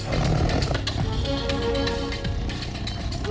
jangan lupa untuk mencoba